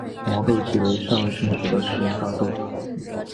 毛豆即为尚未成熟的食用大豆。